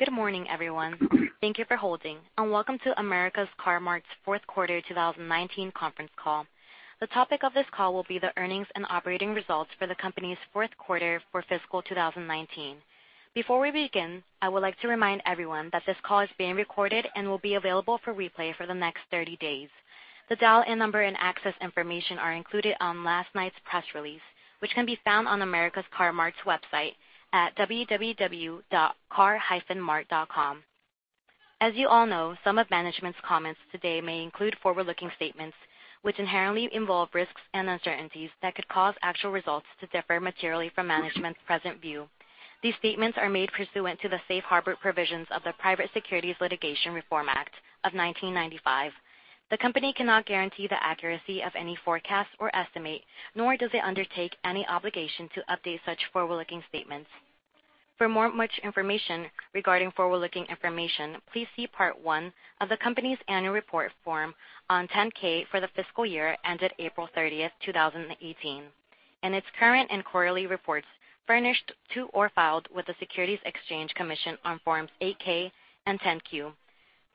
Good morning, everyone. Thank you for holding, and welcome to America's Car-Mart's fourth quarter 2019 conference call. The topic of this call will be the earnings and operating results for the company's fourth quarter for fiscal 2019. Before we begin, I would like to remind everyone that this call is being recorded and will be available for replay for the next 30 days. The dial-in number and access information are included on last night's press release, which can be found on America's Car-Mart's website at www.car-mart.com. As you all know, some of management's comments today may include forward-looking statements, which inherently involve risks and uncertainties that could cause actual results to differ materially from management's present view. These statements are made pursuant to the safe harbor provisions of the Private Securities Litigation Reform Act of 1995. The company cannot guarantee the accuracy of any forecast or estimate, nor does it undertake any obligation to update such forward-looking statements. For more information regarding forward-looking information, please see Part I of the company's annual report Form 10-K for the fiscal year ended April 30, 2018, and its current and quarterly reports furnished to or filed with the Securities and Exchange Commission on Forms 8-K and 10-Q.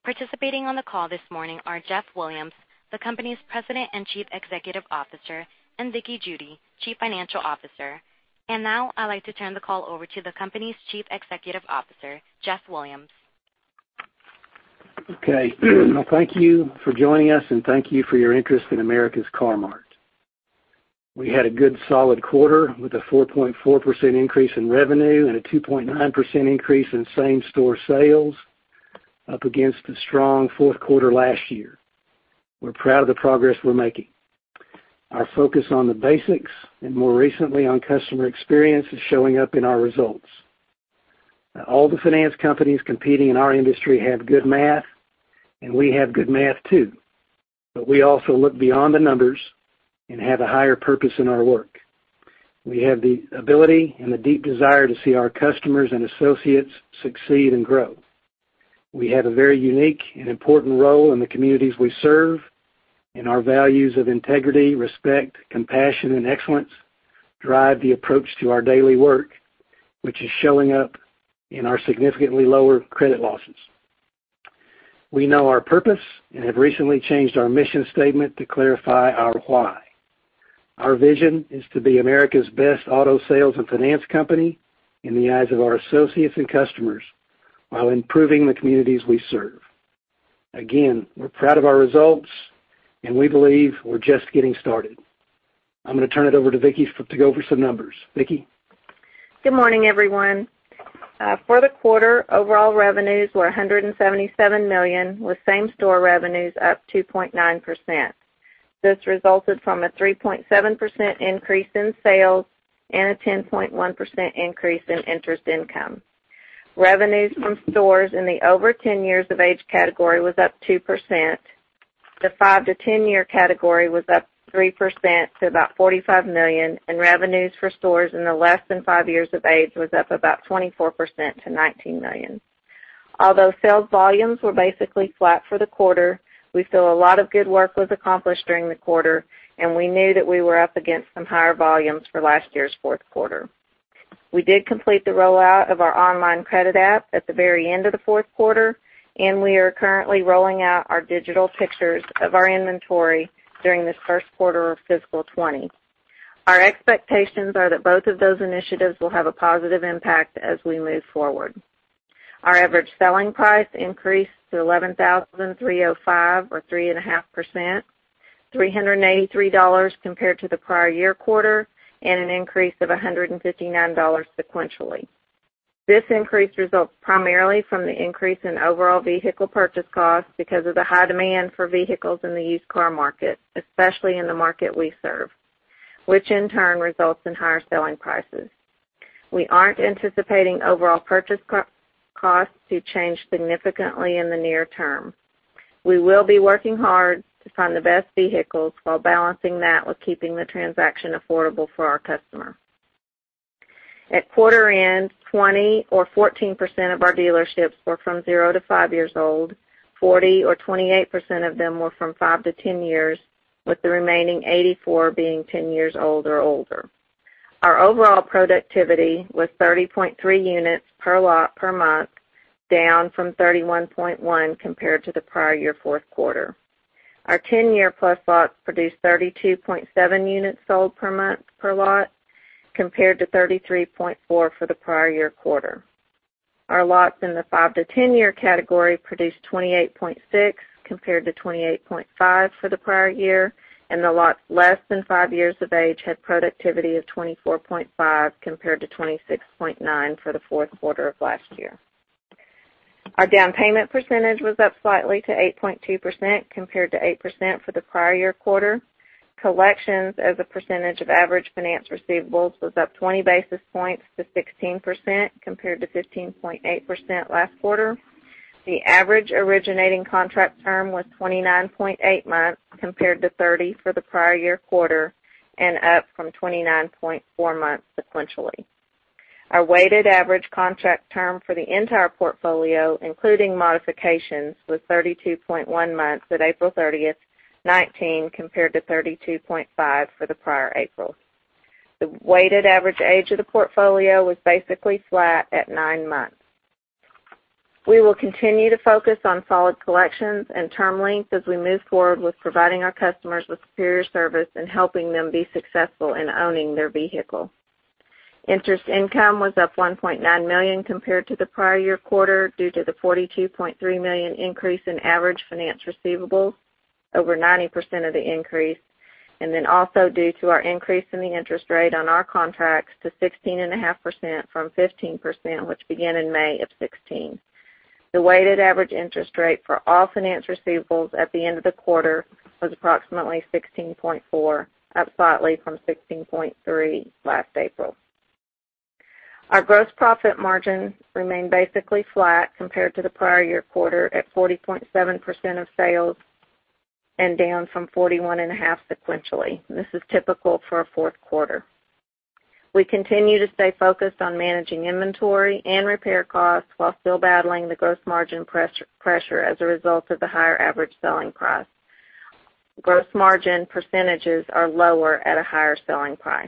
Participating on the call this morning are Jeff Williams, the company's President and Chief Executive Officer, and Vickie Judy, Chief Financial Officer. Now, I'd like to turn the call over to the company's Chief Executive Officer, Jeff Williams. Okay. Thank you for joining us, and thank you for your interest in America's Car-Mart. We had a good solid quarter with a 4.4% increase in revenue and a 2.9% increase in same-store sales up against the strong fourth quarter last year. We're proud of the progress we're making. Our focus on the basics, and more recently on customer experience, is showing up in our results. All the finance companies competing in our industry have good math, and we have good math, too. We also look beyond the numbers and have a higher purpose in our work. We have the ability and the deep desire to see our customers and associates succeed and grow. We have a very unique and important role in the communities we serve, and our values of integrity, respect, compassion, and excellence drive the approach to our daily work, which is showing up in our significantly lower credit losses. We know our purpose and have recently changed our mission statement to clarify our why. Our vision is to be America's best auto sales and finance company in the eyes of our associates and customers while improving the communities we serve. Again, we're proud of our results, and we believe we're just getting started. I'm going to turn it over to Vickie to go over some numbers. Vickie? Good morning, everyone. For the quarter, overall revenues were $177 million, with same-store revenues up 2.9%. This resulted from a 3.7% increase in sales and a 10.1% increase in interest income. Revenues from stores in the over 10 years of age category was up 2%. The 5-to-10-year category was up 3% to about $45 million, and revenues for stores in the less than 5 years of age was up about 24% to $19 million. Although sales volumes were basically flat for the quarter, we feel a lot of good work was accomplished during the quarter, and we knew that we were up against some higher volumes for last year's fourth quarter. We did complete the rollout of our online credit app at the very end of the fourth quarter, and we are currently rolling out our digital pictures of our inventory during this first quarter of fiscal 2020. Our expectations are that both of those initiatives will have a positive impact as we move forward. Our average selling price increased to $11,305, or 3.5%, $383 compared to the prior year quarter, and an increase of $159 sequentially. This increase results primarily from the increase in overall vehicle purchase costs because of the high demand for vehicles in the used car market, especially in the market we serve, which in turn results in higher selling prices. We aren't anticipating overall purchase costs to change significantly in the near term. We will be working hard to find the best vehicles while balancing that with keeping the transaction affordable for our customer. At quarter end, 20 or 14% of our dealerships were from 0 to 5 years old, 40 or 28% of them were from 5 to 10 years, with the remaining 84 being 10 years old or older. Our overall productivity was 30.3 units per lot per month, down from 31.1 compared to the prior year fourth quarter. Our 10-year-plus lots produced 32.7 units sold per month per lot, compared to 33.4 for the prior year quarter. Our lots in the 5-to-10-year category produced 28.6 compared to 28.5 for the prior year, and the lots less than 5 years of age had productivity of 24.5 compared to 26.9 for the fourth quarter of last year. Our down payment percentage was up slightly to 8.2% compared to 8% for the prior year quarter. Collections as a percentage of average finance receivables was up 20 basis points to 16%, compared to 15.8% last quarter. The average originating contract term was 29.8 months compared to 30 for the prior year quarter and up from 29.4 months sequentially. Our weighted average contract term for the entire portfolio, including modifications, was 32.1 months at April 30th, 2019 compared to 32.5 for the prior April. The weighted average age of the portfolio was basically flat at 9 months. We will continue to focus on solid collections and term lengths as we move forward with providing our customers with superior service and helping them be successful in owning their vehicle. Interest income was up $1.9 million compared to the prior year quarter due to the $42.3 million increase in average finance receivables, over 90% of the increase, then also due to our increase in the interest rate on our contracts to 16.5% from 15%, which began in May of 2016. The weighted average interest rate for all finance receivables at the end of the quarter was approximately 16.4%, up slightly from 16.3% last April. Our gross profit margin remained basically flat compared to the prior year quarter at 40.7% of sales and down from 41.5% sequentially. This is typical for our fourth quarter. We continue to stay focused on managing inventory and repair costs while still battling the gross margin pressure as a result of the higher average selling price. Gross margin percentages are lower at a higher selling price.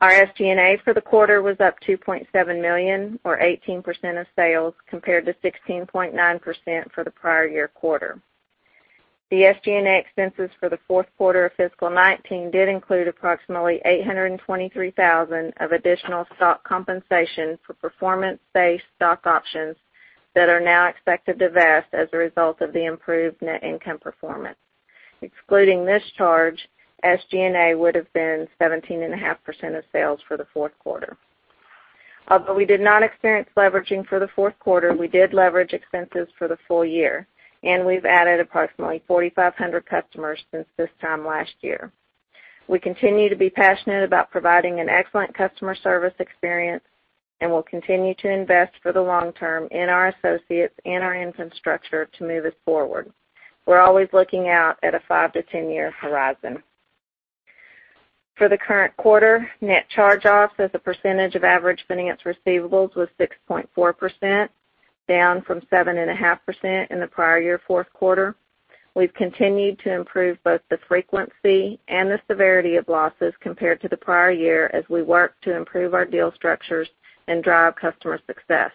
Our SG&A for the quarter was up $2.7 million, or 18% of sales, compared to 16.9% for the prior year quarter. The SG&A expenses for the fourth quarter of fiscal 2019 did include approximately $823,000 of additional stock compensation for performance-based stock options that are now expected to vest as a result of the improved net income performance. Excluding this charge, SG&A would've been 17.5% of sales for the fourth quarter. Although we did not experience leveraging for the fourth quarter, we did leverage expenses for the full year, we've added approximately 4,500 customers since this time last year. We continue to be passionate about providing an excellent customer service experience, we'll continue to invest for the long term in our associates and our infrastructure to move us forward. We're always looking out at a five- to ten-year horizon. For the current quarter, net charge-offs as a percentage of average finance receivables was 6.4%, down from 7.5% in the prior year fourth quarter. We've continued to improve both the frequency and the severity of losses compared to the prior year as we work to improve our deal structures and drive customer success.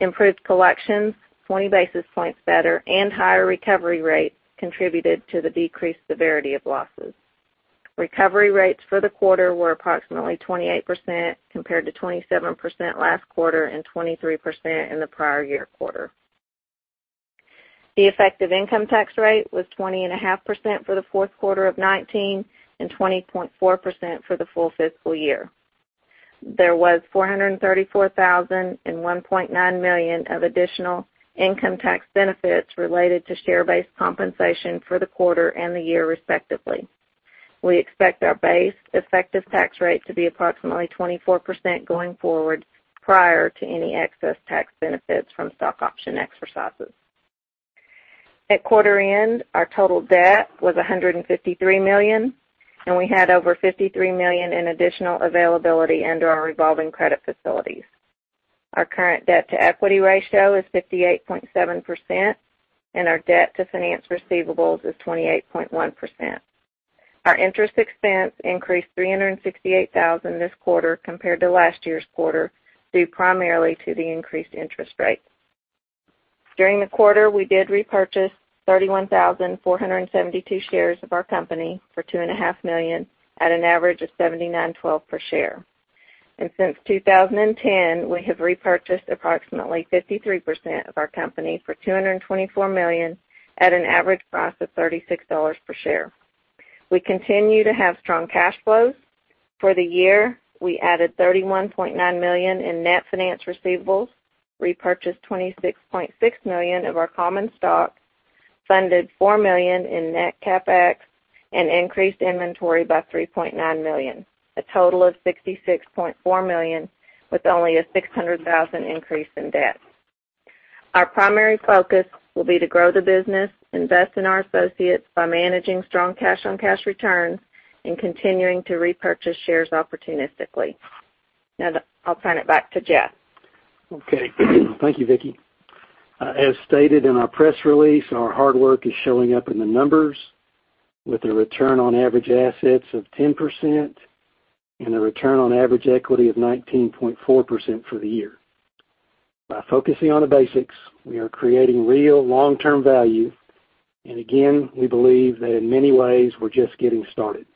Improved collections, 20 basis points better, and higher recovery rates contributed to the decreased severity of losses. Recovery rates for the quarter were approximately 28%, compared to 27% last quarter and 23% in the prior year quarter. The effective income tax rate was 20.5% for the fourth quarter of 2019, and 20.4% for the full fiscal year. There was $434,000 and $1.9 million of additional income tax benefits related to share-based compensation for the quarter and the year respectively. We expect our base effective tax rate to be approximately 24% going forward, prior to any excess tax benefits from stock option exercises. At quarter end, our total debt was $153 million, we had over $53 million in additional availability under our revolving credit facilities. Our current debt-to-equity ratio is 58.7%, our debt to finance receivables is 28.1%. Our interest expense increased $368,000 this quarter compared to last year's quarter, due primarily to the increased interest rates. During the quarter, we did repurchase 31,472 shares of our company for $2.5 million, at an average of $79.12 per share. Since 2010, we have repurchased approximately 53% of our company for $224 million at an average price of $36 per share. We continue to have strong cash flows. For the year, we added $31.9 million in net finance receivables, repurchased $26.6 million of our common stock, funded $4 million in net CapEx, increased inventory by $3.9 million, a total of $66.4 million, with only a $600,000 increase in debt. Our primary focus will be to grow the business, invest in our associates by managing strong cash-on-cash returns, and continuing to repurchase shares opportunistically. I'll turn it back to Jeff. Okay. Thank you, Vickie. As stated in our press release, our hard work is showing up in the numbers. With a return on average assets of 10% and a return on average equity of 19.4% for the year. By focusing on the basics, we are creating real long-term value. Again, we believe that in many ways, we're just getting started.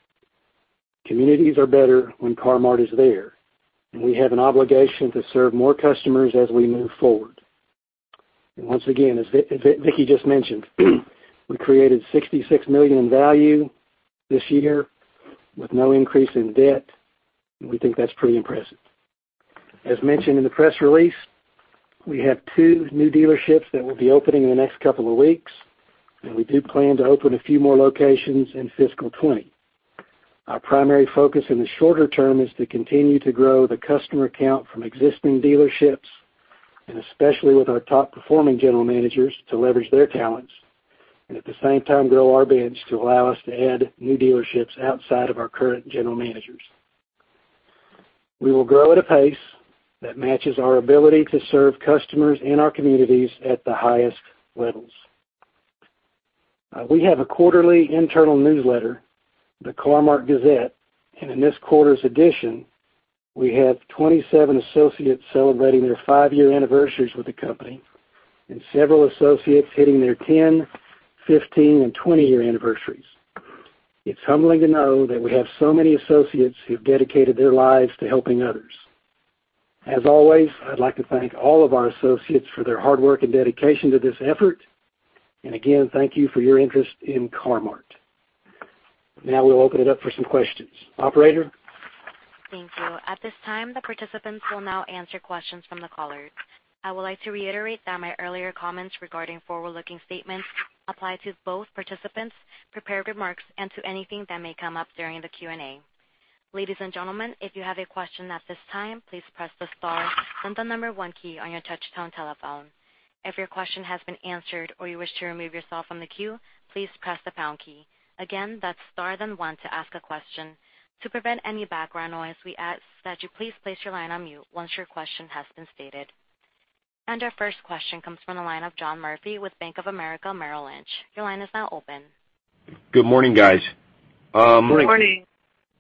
Communities are better when Car-Mart is there, and we have an obligation to serve more customers as we move forward. Once again, as Vickie just mentioned, we created $66 million in value this year with only a $600,000 increase in debt, and we think that's pretty impressive. As mentioned in the press release, we have two new dealerships that will be opening in the next couple of weeks, and we do plan to open a few more locations in fiscal 2020. Our primary focus in the shorter term is to continue to grow the customer count from existing dealerships, and especially with our top-performing general managers to leverage their talents, and at the same time grow our bench to allow us to add new dealerships outside of our current general managers. We will grow at a pace that matches our ability to serve customers in our communities at the highest levels. We have a quarterly internal newsletter, the Car-Mart Gazette, and in this quarter's edition, we have 27 associates celebrating their five-year anniversaries with the company and several associates hitting their 10, 15, and 20-year anniversaries. It's humbling to know that we have so many associates who've dedicated their lives to helping others. As always, I'd like to thank all of our associates for their hard work and dedication to this effort. Again, thank you for your interest in Car-Mart. Now we'll open it up for some questions. Operator? Thank you. At this time, the participants will now answer questions from the callers. I would like to reiterate that my earlier comments regarding forward-looking statements apply to both participants' prepared remarks and to anything that may come up during the Q&A. Ladies and gentlemen, if you have a question at this time, please press the star then the number one key on your touchtone telephone. If your question has been answered or you wish to remove yourself from the queue, please press the pound key. Again, that's star then one to ask a question. To prevent any background noise, we ask that you please place your line on mute once your question has been stated. Our first question comes from the line of John Murphy with Bank of America Merrill Lynch. Your line is now open. Good morning, guys. Good morning.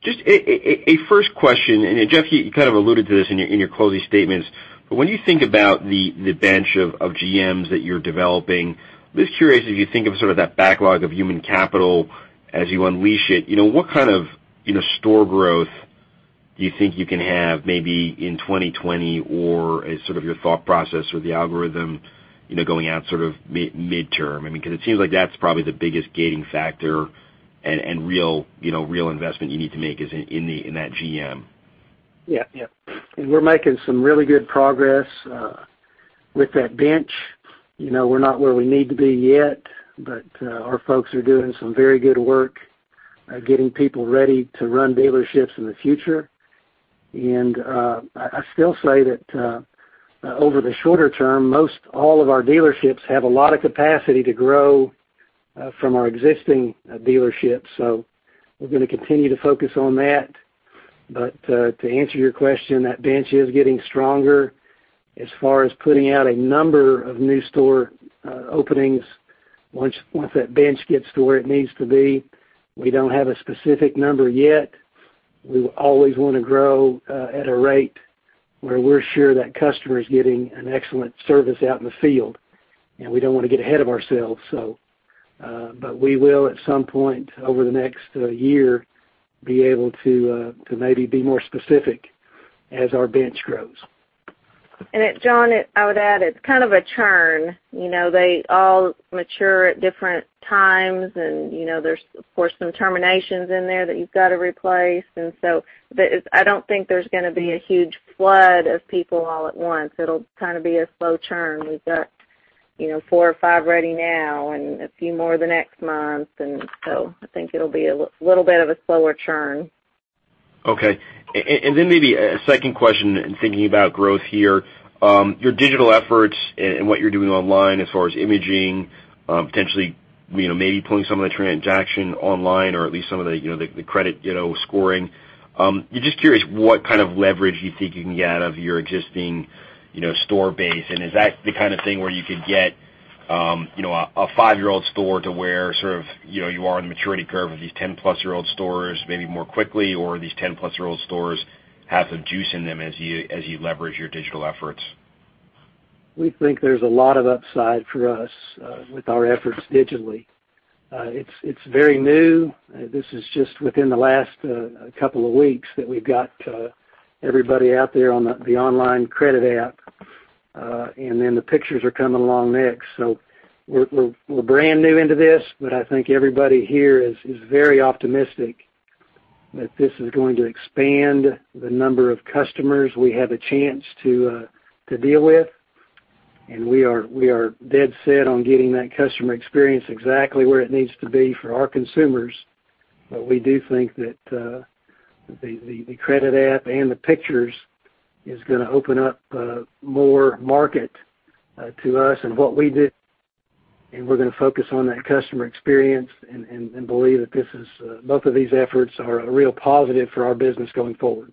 Just a first question, and Jeff, you kind of alluded to this in your closing statements, but when you think about the bench of GMs that you're developing, I'm just curious if you think of sort of that backlog of human capital as you unleash it, what kind of store growth do you think you can have maybe in 2020 or sort of your thought process or the algorithm going out sort of midterm? I mean, because it seems like that's probably the biggest gating factor and real investment you need to make is in that GM. Yeah. We're making some really good progress with that bench. We're not where we need to be yet, but our folks are doing some very good work getting people ready to run dealerships in the future. I still say that over the shorter term, most all of our dealerships have a lot of capacity to grow from our existing dealerships, so we're going to continue to focus on that. To answer your question, that bench is getting stronger. As far as putting out a number of new store openings, once that bench gets to where it needs to be, we don't have a specific number yet. We always want to grow at a rate where we're sure that customer is getting an excellent service out in the field, and we don't want to get ahead of ourselves. We will, at some point over the next year, be able to maybe be more specific as our bench grows. John, I would add, it's kind of a churn. They all mature at different times, and there's, of course, some terminations in there that you've got to replace. I don't think there's going to be a huge flood of people all at once. It'll kind of be a slow churn. We've got four or five ready now and a few more the next month, I think it'll be a little bit of a slower churn. Okay. Maybe a second question in thinking about growth here. Your digital efforts and what you're doing online as far as imaging, potentially maybe pulling some of the transaction online or at least some of the credit scoring. Just curious what kind of leverage you think you can get out of your existing store base, is that the kind of thing where you could get a five-year-old store to where sort of you are on the maturity curve of these 10-plus-year-old stores maybe more quickly, or these 10-plus-year-old stores have some juice in them as you leverage your digital efforts? We think there's a lot of upside for us with our efforts digitally. It's very new. This is just within the last couple of weeks that we've got everybody out there on the online credit app. The pictures are coming along next. We're brand new into this, but I think everybody here is very optimistic that this is going to expand the number of customers we have a chance to deal with. We are dead set on getting that customer experience exactly where it needs to be for our consumers. We do think that the credit app and the pictures is going to open up more market to us and what we do, we're going to focus on that customer experience and believe that both of these efforts are a real positive for our business going forward.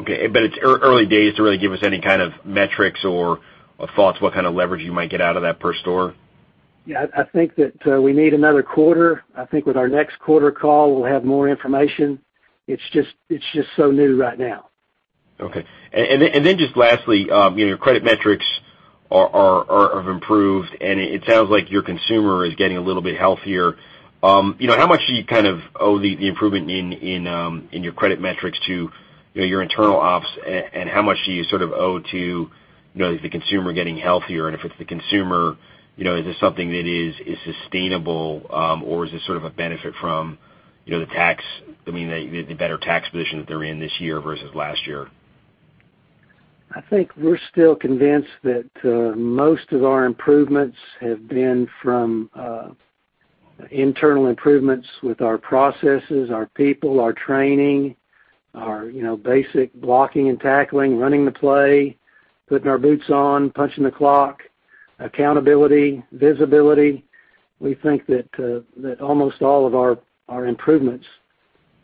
Okay. It's early days to really give us any kind of metrics or thoughts what kind of leverage you might get out of that per store? Yeah, I think that we need another quarter. I think with our next quarter call, we'll have more information. It's just so new right now. Okay. Just lastly, your credit metrics have improved, and it sounds like your consumer is getting a little bit healthier. How much do you kind of owe the improvement in your credit metrics to your internal ops, and how much do you sort of owe to the consumer getting healthier? If it's the consumer, is this something that is sustainable, or is this sort of a benefit from the better tax position that they're in this year versus last year? I think we're still convinced that most of our improvements have been from internal improvements with our processes, our people, our training, our basic blocking and tackling, running the play, putting our boots on, punching the clock, accountability, visibility. We think that almost all of our improvements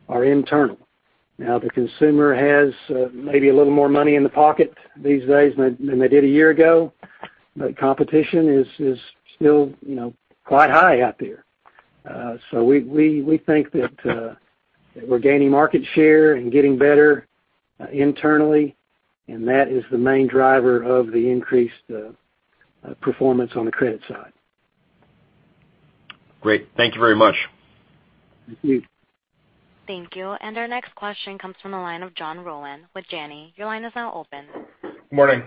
are internal. Now, the consumer has maybe a little more money in the pocket these days than they did a year ago, but competition is still quite high out there. We think that we're gaining market share and getting better internally, and that is the main driver of the increased performance on the credit side. Great. Thank you very much. Thank you. Thank you. Our next question comes from the line of John Rowan with Janney. Your line is now open. Morning.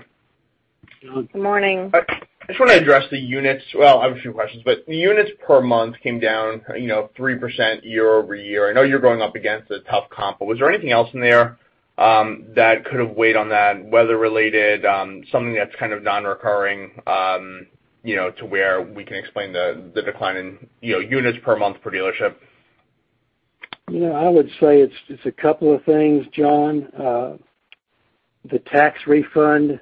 John. Morning. I just want to address the units. Well, I have a few questions, but the units per month came down 3% year-over-year. I know you're going up against a tough comp, but was there anything else in there that could have weighed on that, weather related, something that's kind of non-recurring, to where we can explain the decline in units per month, per dealership? I would say it's a couple of things, John. The tax refund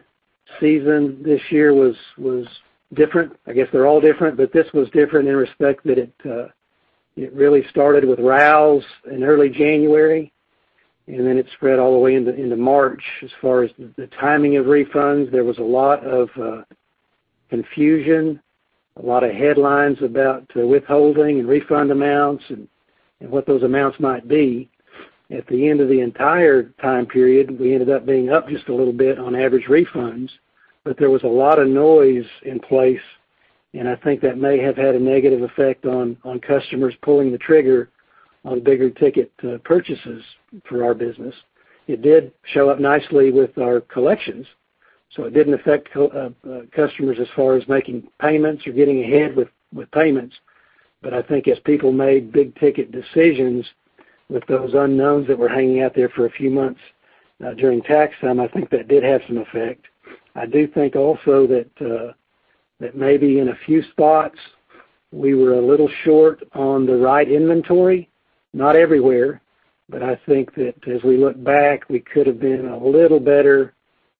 season this year was different. I guess they're all different, but this was different in respect that it really started with RALs in early January, then it spread all the way into March. As far as the timing of refunds, there was a lot of confusion, a lot of headlines about withholding and refund amounts and what those amounts might be. At the end of the entire time period, we ended up being up just a little bit on average refunds, but there was a lot of noise in place, and I think that may have had a negative effect on customers pulling the trigger on bigger ticket purchases for our business. It did show up nicely with our collections, so it didn't affect customers as far as making payments or getting ahead with payments. I think as people made big-ticket decisions with those unknowns that were hanging out there for a few months during tax time, I think that did have some effect. I do think also that maybe in a few spots we were a little short on the right inventory. Not everywhere, but I think that as we look back, we could have been a little better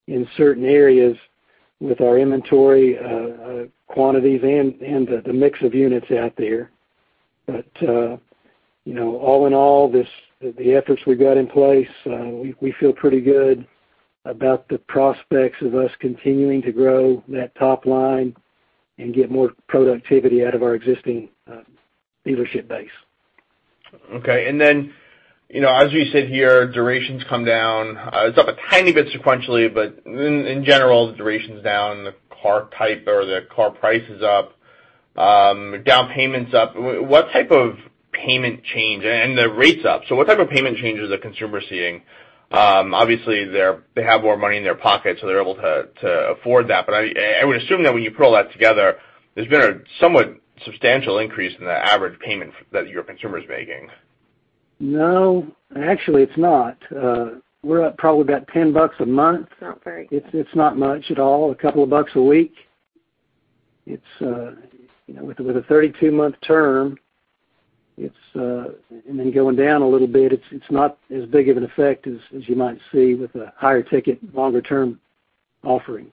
in certain areas with our inventory quantities and the mix of units out there. All in all, the efforts we've got in place, we feel pretty good about the prospects of us continuing to grow that top line and get more productivity out of our existing dealership base. Okay. As we sit here, durations come down. It's up a tiny bit sequentially, but in general, the duration's down, the car price is up, down payment's up. The rate's up, what type of payment change is the consumer seeing? Obviously, they have more money in their pocket, so they're able to afford that. I would assume that when you put all that together, there's been a somewhat substantial increase in the average payment that your consumer is making. No, actually, it's not. We're up probably about $10 a month. Not very much. It's not much at all. A couple of bucks a week. With a 32-month term, and then going down a little bit, it's not as big of an effect as you might see with a higher ticket, longer-term offering.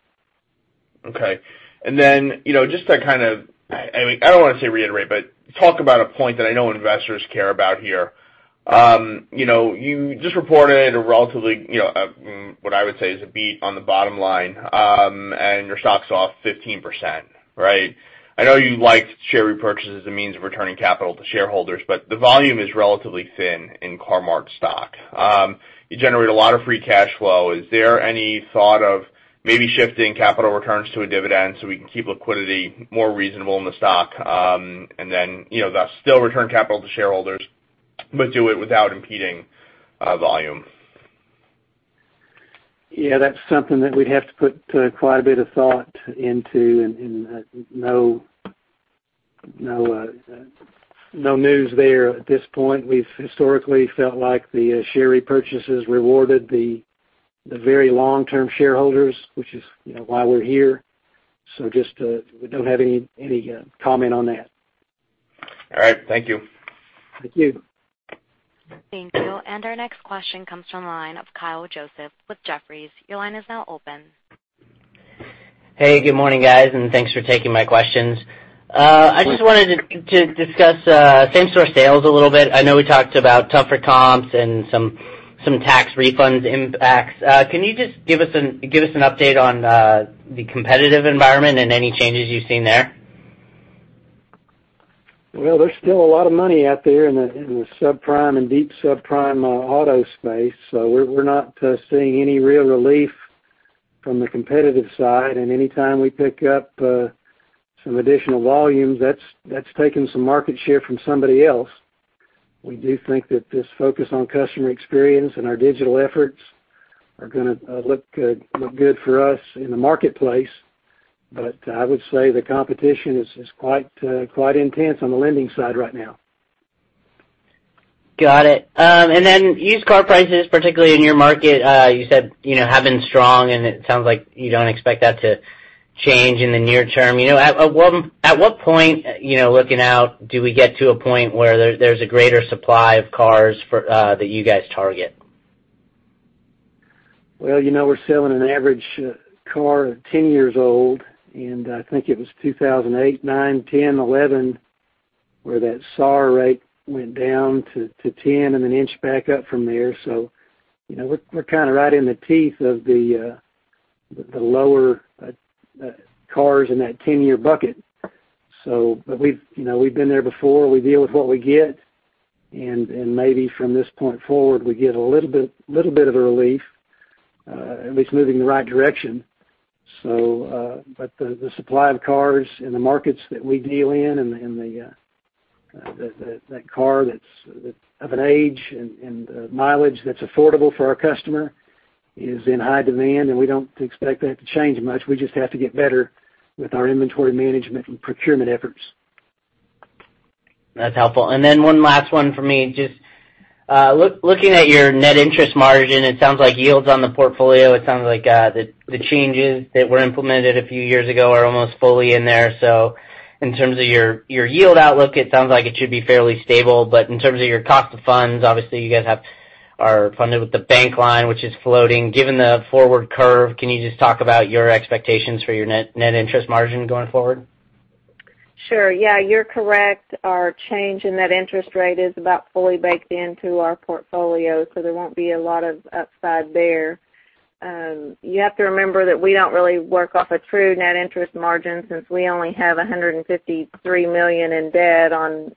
Okay. Just to kind of, I don't want to say reiterate, but talk about a point that I know investors care about here. You just reported a relatively, what I would say, is a beat on the bottom line, and your stock's off 15%, right? I know you liked share repurchases as a means of returning capital to shareholders, but the volume is relatively thin in Car-Mart stock. You generate a lot of free cash flow. Is there any thought of maybe shifting capital returns to a dividend so we can keep liquidity more reasonable in the stock, and then thus still return capital to shareholders, but do it without impeding volume? Yeah, that's something that we'd have to put quite a bit of thought into, and no news there at this point. We've historically felt like the share repurchases rewarded the very long-term shareholders, which is why we're here. We don't have any comment on that. All right. Thank you. Thank you. Thank you. Our next question comes from the line of Kyle Joseph with Jefferies. Your line is now open. Hey, good morning, guys, and thanks for taking my questions. I just wanted to discuss same-store sales a little bit. I know we talked about tougher comps and some tax refunds impacts. Can you just give us an update on the competitive environment and any changes you've seen there? There's still a lot of money out there in the subprime and deep subprime auto space. We're not seeing any real relief from the competitive side, and any time we pick up some additional volumes, that's taking some market share from somebody else. We do think that this focus on customer experience and our digital efforts are going to look good for us in the marketplace. I would say the competition is quite intense on the lending side right now. Got it. Used car prices, particularly in your market, you said have been strong, and it sounds like you don't expect that to change in the near term. At what point, looking out, do we get to a point where there's a greater supply of cars that you guys target? We're selling an average car that's 10 years old, and I think it was 2008, 2009, 2010, 2011, where that SAR rate went down to 10 and then inched back up from there. We're kind of right in the teeth of the lower cars in that 10-year bucket. We've been there before. We deal with what we get, and maybe from this point forward, we get a little bit of a relief, at least moving in the right direction. The supply of cars in the markets that we deal in, and that car that's of an age and mileage that's affordable for our customer is in high demand, and we don't expect that to change much. We just have to get better with our inventory management and procurement efforts. That's helpful. One last one for me. Just looking at your net interest margin, it sounds like yields on the portfolio, it sounds like the changes that were implemented a few years ago are almost fully in there. In terms of your yield outlook, it sounds like it should be fairly stable. In terms of your cost of funds, obviously you guys are funded with the bank line, which is floating. Given the forward curve, can you just talk about your expectations for your net interest margin going forward? Sure. Yeah, you're correct. Our change in that interest rate is about fully baked into our portfolio, so there won't be a lot of upside there. You have to remember that we don't really work off a true net interest margin since we only have $153 million in debt on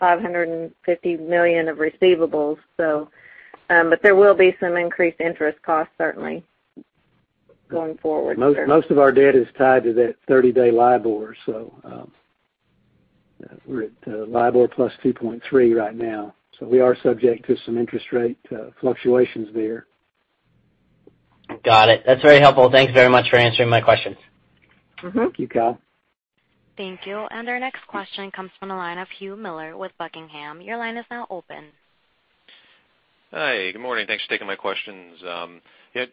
$550 million of receivables. There will be some increased interest costs certainly going forward. Most of our debt is tied to that 30-day LIBOR. We're at LIBOR plus 2.3 right now. We are subject to some interest rate fluctuations there. Got it. That's very helpful. Thanks very much for answering my questions. Thank you, Kyle. Thank you. Our next question comes from the line of Hugh Miller with Buckingham. Your line is now open. Hi, good morning. Thanks for taking my questions. I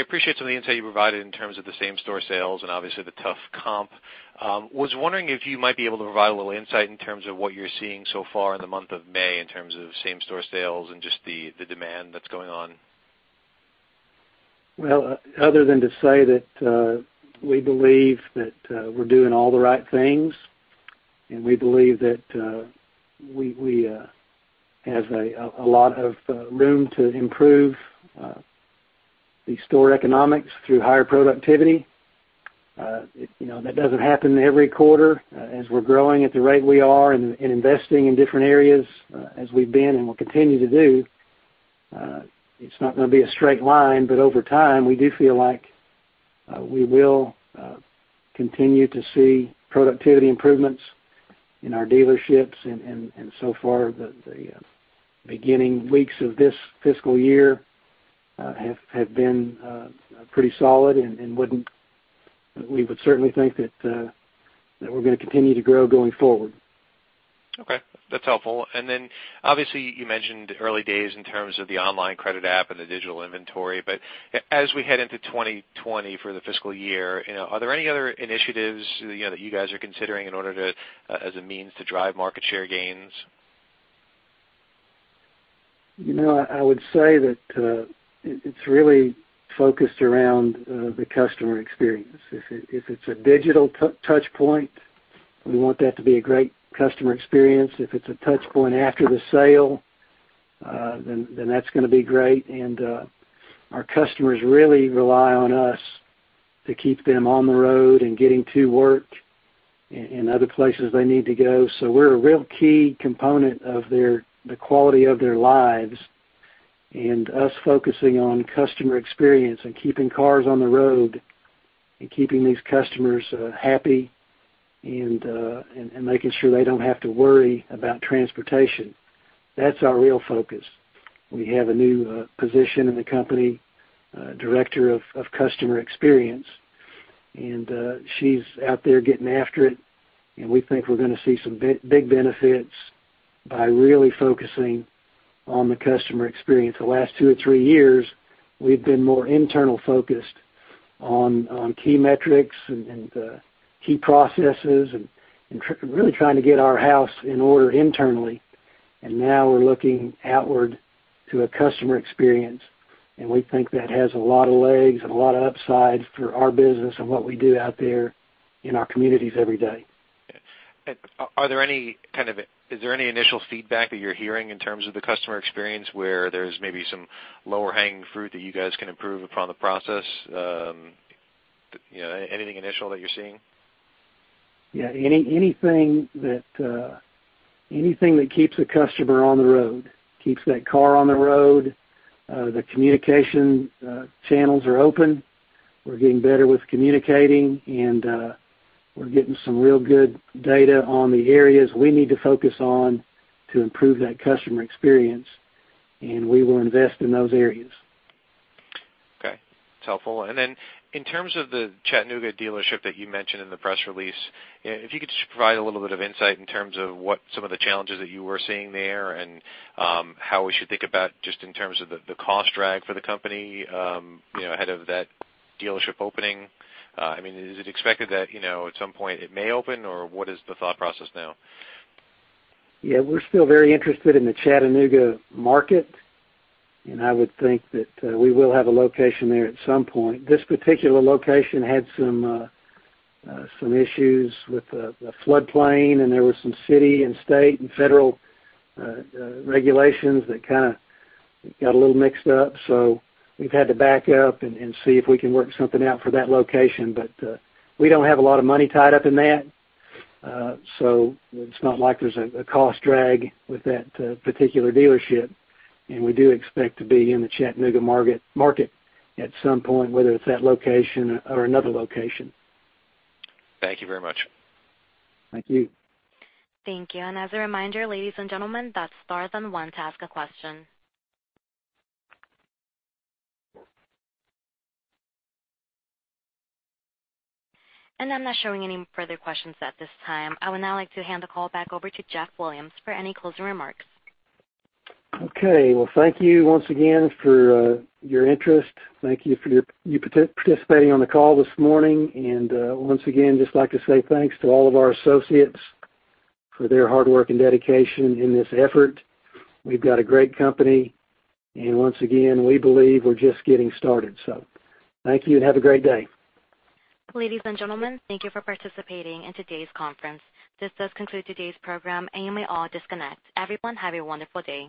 appreciate some of the insight you provided in terms of the same-store sales and obviously the tough comp. I was wondering if you might be able to provide a little insight in terms of what you're seeing so far in the month of May in terms of same-store sales and just the demand that's going on. Well, other than to say that we believe that we're doing all the right things, and we believe that we have a lot of room to improve the store economics through higher productivity. That doesn't happen every quarter. As we're growing at the rate we are and investing in different areas as we've been and will continue to do, it's not going to be a straight line, but over time, we do feel like we will continue to see productivity improvements in our dealerships. So far, the beginning weeks of this fiscal year have been pretty solid, and we would certainly think that we're going to continue to grow going forward. Okay. That's helpful. Obviously, you mentioned early days in terms of the online credit app and the digital inventory. As we head into 2020 for the fiscal year, are there any other initiatives that you guys are considering as a means to drive market share gains? I would say that it's really focused around the customer experience. If it's a digital touchpoint, we want that to be a great customer experience. If it's a touchpoint after the sale, then that's going to be great. Our customers really rely on us to keep them on the road and getting to work and other places they need to go. We're a real key component of the quality of their lives, and us focusing on customer experience and keeping cars on the road and keeping these customers happy and making sure they don't have to worry about transportation, that's our real focus. We have a new position in the company, director of customer experience. She's out there getting after it, and we think we're going to see some big benefits by really focusing on the customer experience. The last two or three years, we've been more internal focused on key metrics and key processes and really trying to get our house in order internally. Now we're looking outward to a customer experience, and we think that has a lot of legs and a lot of upsides for our business and what we do out there in our communities every day. Is there any initial feedback that you're hearing in terms of the customer experience where there's maybe some lower-hanging fruit that you guys can improve upon the process? Anything initial that you're seeing? Yeah. Anything that keeps a customer on the road, keeps that car on the road. The communication channels are open. We're getting better with communicating, and we're getting some real good data on the areas we need to focus on to improve that customer experience, and we will invest in those areas. Okay. That's helpful. Then in terms of the Chattanooga dealership that you mentioned in the press release, if you could just provide a little bit of insight in terms of what some of the challenges that you were seeing there and how we should think about just in terms of the cost drag for the company ahead of that dealership opening. Is it expected that at some point it may open, or what is the thought process now? Yeah. We're still very interested in the Chattanooga market, and I would think that we will have a location there at some point. This particular location had some issues with a floodplain, and there were some city and state and federal regulations that kind of got a little mixed up. We've had to back up and see if we can work something out for that location. We don't have a lot of money tied up in that. It's not like there's a cost drag with that particular dealership. We do expect to be in the Chattanooga market at some point, whether it's that location or another location. Thank you very much. Thank you. Thank you. As a reminder, ladies and gentlemen, that's star then one to ask a question. I'm not showing any further questions at this time. I would now like to hand the call back over to Jeff Williams for any closing remarks. Well, thank you once again for your interest. Thank you for participating on the call this morning. Once again, just like to say thanks to all of our associates for their hard work and dedication in this effort. We've got a great company, and once again, we believe we're just getting started. Thank you, and have a great day. Ladies and gentlemen, thank you for participating in today's conference. This does conclude today's program, and you may all disconnect. Everyone, have a wonderful day.